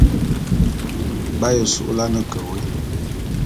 B'aye su'ulane ke wôé.